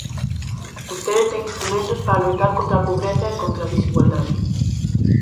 Vostede ten instrumentos para loitar contra a pobreza e contra a desigualdade.